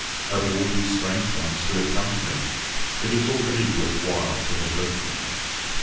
Oh, all ye strange ones who have come to me, it is already worth while to have lived with me!"